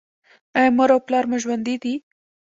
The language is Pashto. ایا مور او پلار مو ژوندي دي؟